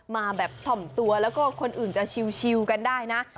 มาแบบถ่อมตัวแล้วก็คนอื่นจะชิวกันได้นะ